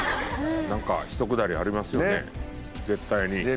なんかひとくだりありますよね絶対に。